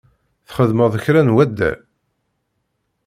Txeddmeḍ kra n waddal?